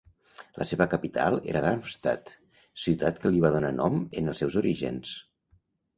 La seva capital era Darmstadt, ciutat que li va donar nom en els seus orígens.